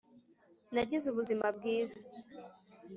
Nagize ubuzima bwiza